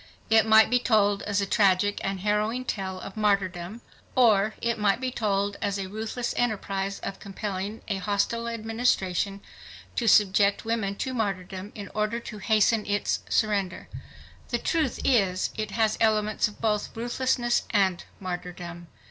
It might be told as a tragic and harrowing tale of martyrdom. Or it might be told as a ruthless enterprise of compelling a hostile administration to subject women to martyrdom in order to hasten its surrender. The truth is, it has elements of both ruthlessness and martyrdom.